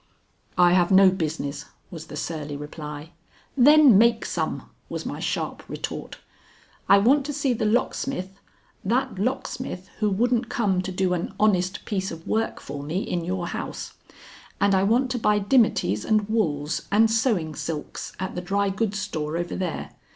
"I have no business," was the surly reply. "Then make some," was my sharp retort. "I want to see the locksmith that locksmith who wouldn't come to do an honest piece of work for me in your house; and I want to buy dimities and wools and sewing silks at the dry goods store over there.